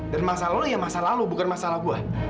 dan masalah lo ya masalah lo bukan masalah gue